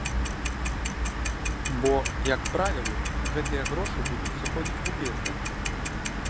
Бо, як правілы, гэтыя грошы будуць сыходзіць у бездань.